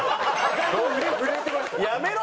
やめろ！